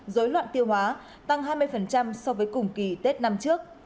dối loạn tiêu hóa tăng hai mươi so với cùng kỳ tết năm trước